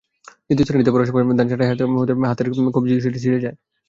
দ্বিতীয় শ্রেণিতে পড়ার সময় ধান ছাঁটাই কলে হাতের কবজি জড়িয়ে সেটি ছিঁড়ে যায়।